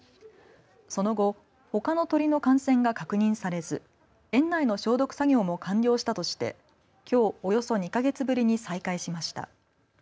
その後ほかの鳥の感染が確認されず園内の消毒作業も完了したとしてきょうおよそ２か月ぶりに再開しました。